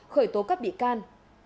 khởi tố các bị can